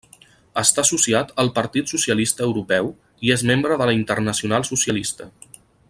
Està associat al Partit Socialista Europeu i és membre de la Internacional Socialista.